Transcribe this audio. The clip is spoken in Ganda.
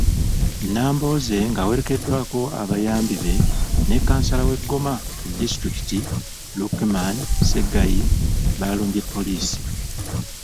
Nambooze ng'awerekeddwako abayambi be ne kkansala w'e Goma ku disitulikiti, Lukeman Ssegayi, balumbye poliisi.